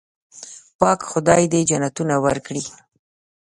پاک خدای دې جنتونه ورکړي.